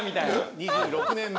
２６年目。